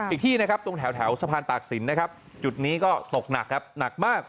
อีกที่นะครับตรงแถวสะพานตากศิลป์นะครับจุดนี้ก็ตกหนักครับหนักมาก